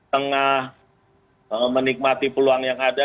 tengah menikmati peluang yang ada